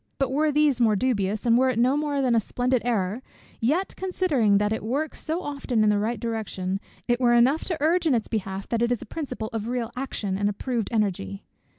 "But were these more dubious, and were it no more than a splendid error; yet considering that it works so often in the right direction, it were enough to urge in its behalf, that it is a principle of real action, and approved energy.